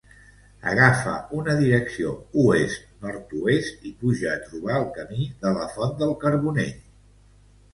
Agafa una direcció oest-nord-oest i puja a trobar el Camí de la Font del Carbonell.